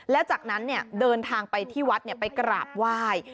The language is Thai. และจากนั้นเดินทางไปที่วัดไปกราบไหว้